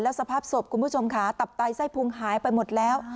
สภาพศพคุณผู้ชมค่ะตับไตไส้พุงหายไปหมดแล้ว